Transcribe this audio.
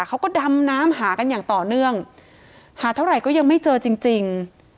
เขาก็ดำน้ำหากันอย่างต่อเนื่องหาเท่าไหร่ก็ยังไม่เจอจริงจริง